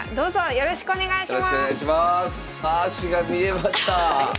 よろしくお願いします。